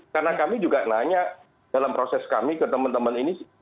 karena kami juga nanya dalam proses kami ke teman teman ini